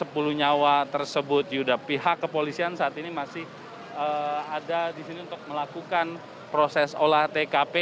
perlunyawa tersebut yuda pihak kepolisian saat ini masih ada disini untuk melakukan proses olah tkp